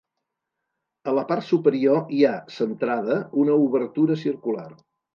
A la part superior hi ha, centrada, una obertura circular.